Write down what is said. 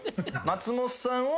松本さんを。